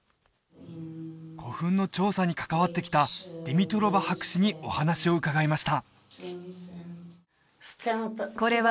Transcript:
古墳の調査に関わってきたディミトロヴァ博士にお話を伺いました